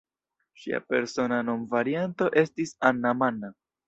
Ŝia persona nomvarianto estis "Anna-manna".